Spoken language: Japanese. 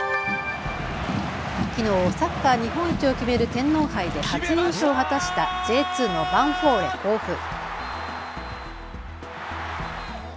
きのうサッカー日本一を決める天皇杯で初優勝を果たしたＪ２のヴァンフォーレ甲府。